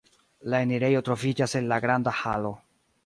La enirejo troviĝas el la granda halo.